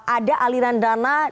ada aliran dana